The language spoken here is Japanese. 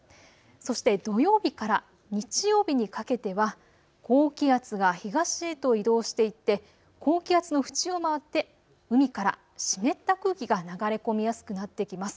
そして土曜日から日曜日にかけては高気圧が東へと移動していって高気圧の縁を回って海から湿った空気が流れ込みやすくなってきます。